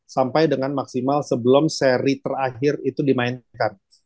sampai dengan maksimal sebelum seri terakhir itu dimainkan